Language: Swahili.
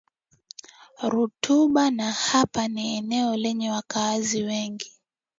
Rutuba na hapa ni eneo lenye wakazi wengi